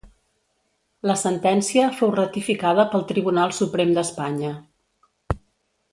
La sentència fou ratificada pel Tribunal Suprem d'Espanya.